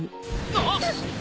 あっ！